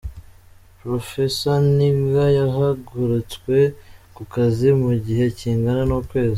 Professor Nigga yahagaritswe ku kazi mu gihe kingana n’ukwezi